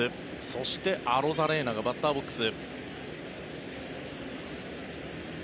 そしてアロザレーナがバッターボックス。